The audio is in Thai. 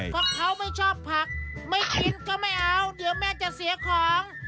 เพราะเขาไม่ชอบผักไม่กินก็ไม่เอาเดี๋ยวแม่จะเสียของ